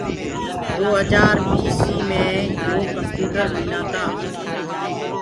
دو هجآر بيسي مي يو ڪمپيوٽر لينآ تآ۔